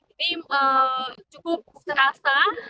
ini cukup terasa